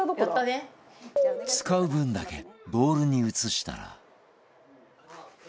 使う分だけボウルに移したら